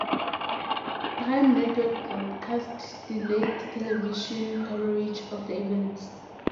Prime Network broadcast delayed television coverage of the events.